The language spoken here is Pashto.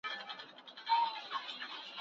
پر بهار یې را بللي تور پوځونه د زاغانو